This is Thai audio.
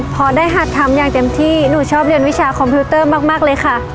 พอได้หัดทำอย่างเต็มที่หนูชอบเรียนวิชาคอมพิวเตอร์มากเลยค่ะ